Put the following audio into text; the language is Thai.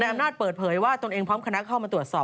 อำนาจเปิดเผยว่าตนเองพร้อมคณะเข้ามาตรวจสอบ